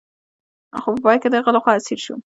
خو په پای کې د هغه لخوا اسیر شو.